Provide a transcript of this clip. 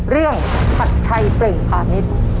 เรื่องผัดชัยเปร่งผ่านนิด